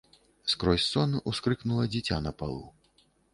Скрозь сон ускрыкнула дзіця на палу.